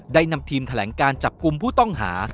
นำทีมแถลงการจับกลุ่มผู้ต้องหา